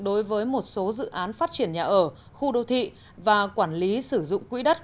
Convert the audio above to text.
đối với một số dự án phát triển nhà ở khu đô thị và quản lý sử dụng quỹ đất